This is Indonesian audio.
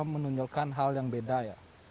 menunjukkan hal yang beda ya